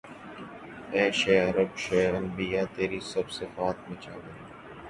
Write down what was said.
اے شہ عرب شہ انبیاء تیری سب صفات میں چاندنی